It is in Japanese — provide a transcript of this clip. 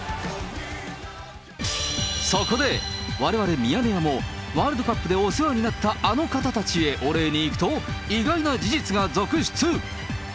そこで、われわれミヤネ屋も、ワールドカップでお世話になったあの方たちへお礼に行くと、意外な事実が続出。